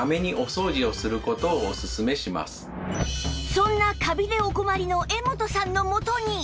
そんなカビでお困りの絵元さんのもとに